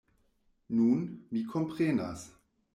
Nun, mi komprenas.